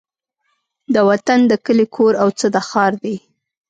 د وطن د کلي کور او څه د ښار دي